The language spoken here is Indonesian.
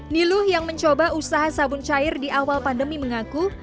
niluh yang mencoba usaha sabun cair di awal pandemi mengaku